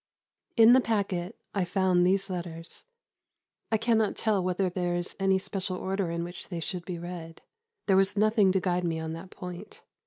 In the packet I found these letters. I cannot tell whether there is any special order in which they should be read there was nothing to guide me on that point.